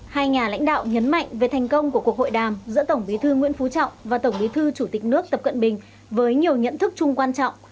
hai nhà lãnh đạo nhấn mạnh về thành công của cuộc hội đàm giữa tổng bí thư nguyễn phú trọng và tổng bí thư chủ tịch nước tập cận bình với nhiều nhận thức chung quan trọng